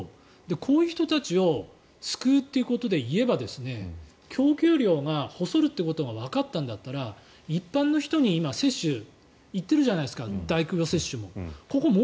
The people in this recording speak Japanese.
こういう人たちを救うということで言えば供給量が細るということがわかったんだったら一般の人に今、接種がいっているじゃないですか。